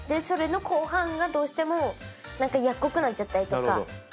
それの後半がどうしてもやっこくなっちゃったりとか。